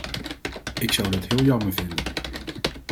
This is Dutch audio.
Ik zou dat heel jammer vinden.